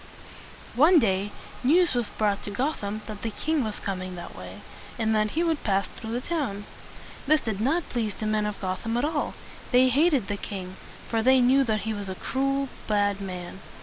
One day, news was brought to Gotham that the king was coming that way, and that he would pass through the town. This did not please the men of Gotham at all. They hated the king, for they knew that he was a cruel, bad man.